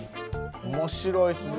面白いですね。